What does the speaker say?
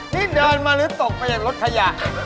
นี่เดินมาหรือตกไปในรถขยะ